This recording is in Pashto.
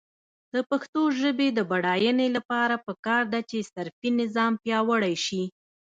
د پښتو ژبې د بډاینې لپاره پکار ده چې صرفي نظام پیاوړی شي.